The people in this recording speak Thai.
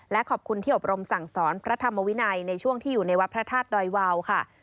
และขอบคุณที่อบรมสั่งสอนพระธรรมวินัยในช่วงที่อยู่ในวัดพระธาตุดอยวาวค่ะ